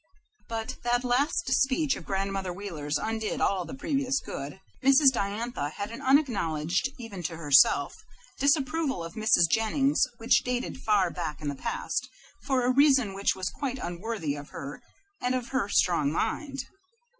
But that last speech of Grandmother Wheeler's undid all the previous good. Mrs. Diantha had an unacknowledged even to herself disapproval of Mrs. Jennings which dated far back in the past, for a reason which was quite unworthy of her and of her strong mind.